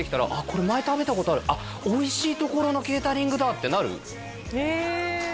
これ前食べたことあるおいしいところのケータリングだってなるへえ！